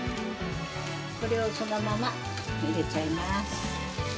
これをそのまま入れちゃいます。